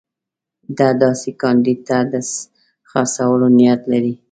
ده داسې کاندید ته د خرڅولو نیت لري.